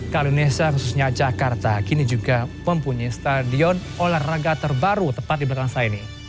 kali indonesia khususnya jakarta kini juga mempunyai stadion olahraga terbaru tepat di belakang saya ini